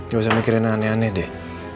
gak usah mikirin aneh aneh deh